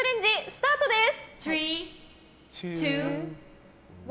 スタートです。